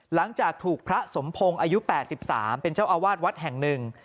หลังจากถูกพระสมพงศ์อายุ๘๓เป็นเจ้าอาวาสวัดแห่งหนึ่ง